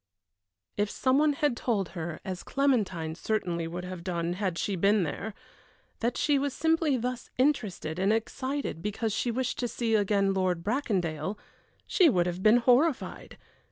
If some one had told her, as Clementine certainly would have done had she been there, that she was simply thus interested and excited because she wished to see again Lord Bracondale, she would have been horrified.